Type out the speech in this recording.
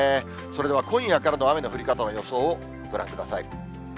それでは今夜からの雨の降り方の予想をご覧ください。